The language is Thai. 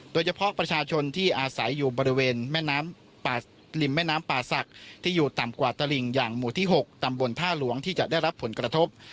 โดยเฉพาะประชาชนที่อาศัยอยู่บริเวณแม่น้ำริมแม่น้ำป่าศักดิ์ที่อยู่ต่ำกว่าตลิ่งอย่างหมู่ที่๖ตำบลท่าหลวงที่จะได้รับผลกระทบ